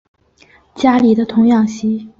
家里的童养媳